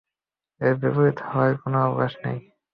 এর বিপরীত হওয়ার কোন অবকাশ নেই।